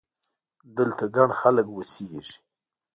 دلته ګڼ خلک اوسېږي!